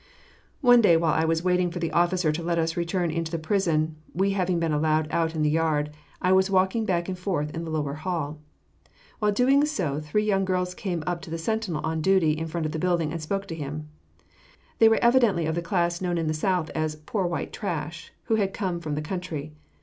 One day while I was waiting for the officer to let us return into the prison, we having been allowed out in the yard, I was walking back and forth in the lower hall. While doing so three young girls came up to the sentinel on duty at the front of the building and spoke to him. They were evidently of the class known in the South as "poor white trash," who had come from the country.